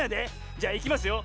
じゃいきますよ。